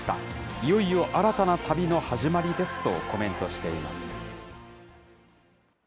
いよいよ新たな旅の始まりですとコメントしています。